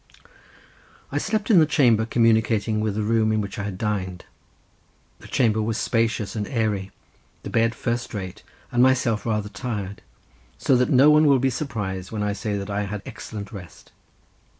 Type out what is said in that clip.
I slept in the chamber communicating with the room in which I had dined. The chamber was spacious and airy, the bed first rate, and myself rather tired, so that no one will be surprised when I say that I had excellent rest.